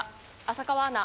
浅川アナ